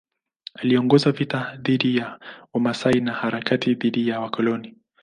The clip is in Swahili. Aliongoza vita dhidi ya Wamasai na harakati dhidi ya wakoloni.